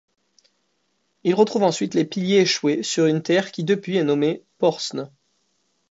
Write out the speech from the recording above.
Il retrouve ensuite les piliers échouées sur une terre qui depuis est nommée Þórsnes.